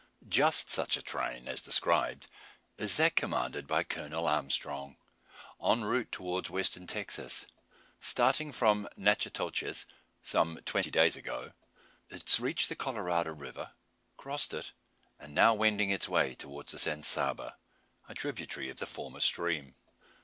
Just such a train as described is that commanded by Colonel Armstrong, en route towards Western Texas. Starting from Natchitoches some twenty days ago, it has reached the Colorado river, crossed it, and is now wending its way towards the San Saba, a tributary of the former stream.